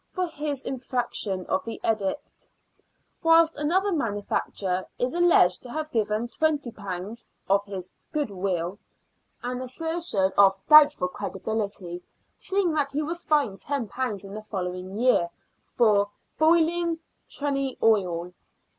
for his infraction of the edict, whilst another manufacturer is alleged to have given £20 " of his good will "— an assertion of doubtful credibility, seeing that he was fined £10 in the following year " for boiling trayne oil."